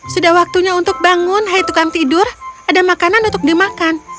sudah waktunya untuk bangun hai tukang tidur ada makanan untuk dimakan